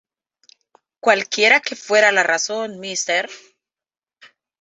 Cualquiera que fuera la razón, Mr.